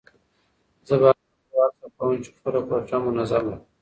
زه به تر هغو هڅه کوم چې خپله کوټه منظمه کړم.